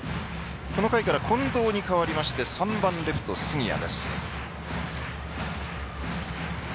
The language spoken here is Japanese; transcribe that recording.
この回から近藤に代わって３番レフト杉谷。